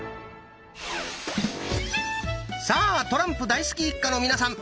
さあトランプ大好き一家の皆さん。